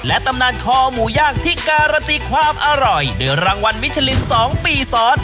และตำนานคอหมู้ย่างที่การันตีความอร่อยเดี๋ยวรางวันมิจริงสองปีศร